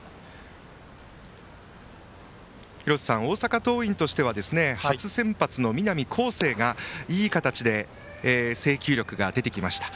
廣瀬さん、大阪桐蔭としては初先発の南恒誠がいい形で制球力が出てきました。